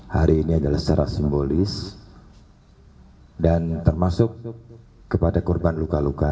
hari ini adalah secara simbolis dan termasuk kepada korban luka luka